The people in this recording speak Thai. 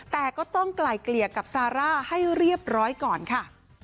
แต่ก็ต้องไกลเกลี่ยกับซาร่าให้เรียบร้อยก่อนค่ะ